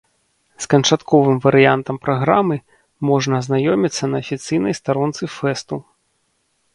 З канчатковым варыянтам праграмы можна азнаёміцца на афіцыйнай старонцы фэсту.